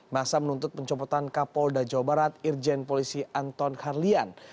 masa menuntut pencopotan kapolda jawa barat irjen polisi anton karlian